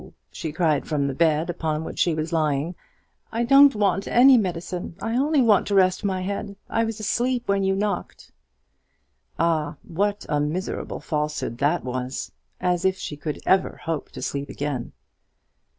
she cried, from the bed upon which she was lying; "I don't want any medicine; I only want to rest my head; I was asleep when you knocked." Ah, what a miserable falsehood that was! as if she could ever hope to sleep again!